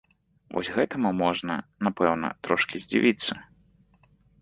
Вось гэтаму можна, напэўна, трошкі здзівіцца.